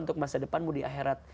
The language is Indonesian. untuk masa depanmu di akhirat